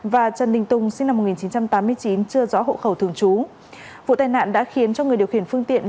và trần đình tùng sinh năm một nghìn chín trăm tám mươi chín chưa rõ hộ khẩu thường trú vụ tai nạn đã khiến cho người điều khiển phương tiện